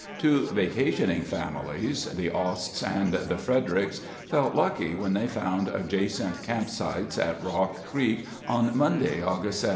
Two vacationing families, the Osts and the Fredericks, felt lucky when they found adjacent campsites at Rock Creek on Monday, August 17.